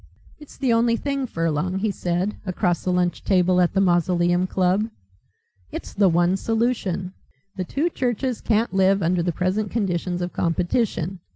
"It's the only thing, Furlong," he said, across the lunch table at the Mausoleum Club. "It's the one solution. The two churches can't live under the present conditions of competition.